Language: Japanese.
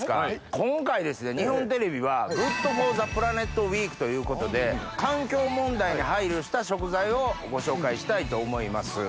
今回日本テレビは「ＧｏｏｄＦｏｒｔｈｅＰｌａｎｅｔウィーク」ということで環境問題に配慮した食材をご紹介したいと思います。